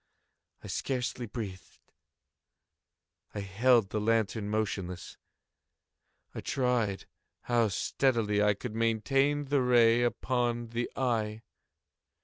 I scarcely breathed. I held the lantern motionless. I tried how steadily I could maintain the ray upon the eve.